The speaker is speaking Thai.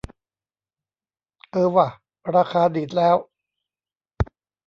เออว่ะ ราคาดีดแล้ว